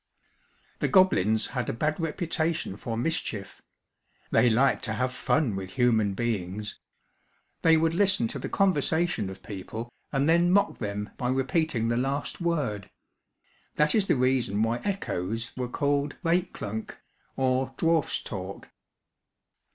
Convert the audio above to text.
The goblins had a bad reputation for mischief. They liked to have fun with human beings. They would listen to the conversation of people and then mock them by repeating the last word. That is the reason why echoes were called "week klank," or dwarf's talk.